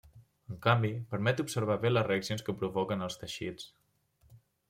En canvi, permet observar bé les reaccions que provoquen en els teixits.